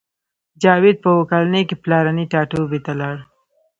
جاوید په اوه کلنۍ کې پلرني ټاټوبي ته لاړ